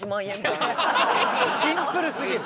シンプルすぎる！